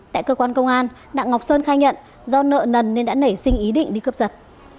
tại cơ quan công an đặng ngọc sơn khai nhận do nợ nần nên đã nảy sinh ý định đi cướp giật